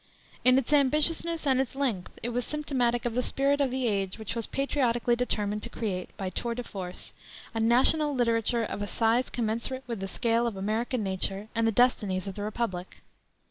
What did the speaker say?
In its ambitiousness and its length it was symptomatic of the spirit of the age which was patriotically determined to create, by tour de force, a national literature of a size commensurate with the scale of American nature and the destinies of the republic.